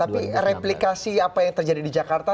tapi replikasi apa yang terjadi di jakarta